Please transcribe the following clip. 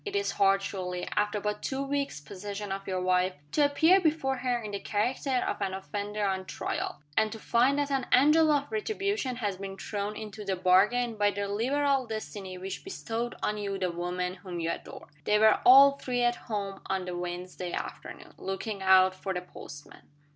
It is hard, surely, after but two weeks' possession of your wife, to appear before her in the character of an offender on trial and to find that an angel of retribution has been thrown into the bargain by the liberal destiny which bestowed on you the woman whom you adore! They were all three at home on the Wednesday afternoon, looking out for the postman.